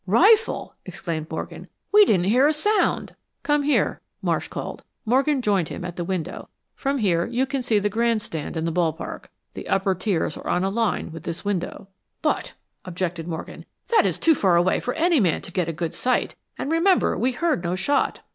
"Rifle!" exclaimed Morgan. "We didn't hear a sound!" "Come here," Marsh called. Morgan joined him at the window. "From here you can see the grand stand in the ball park. The upper tiers are on a line with this window." "But," objected Morgan, "that is too far away for any man to get a good sight; and remember, we heard no shot."